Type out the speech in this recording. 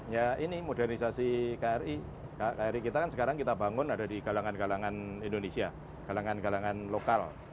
ya ini modernisasi kri kri kita kan sekarang kita bangun ada di kalangan kalangan indonesia kalangan kalangan lokal